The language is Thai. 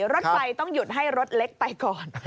รถไฟต้องหยุดให้รถเล็กไปก่อน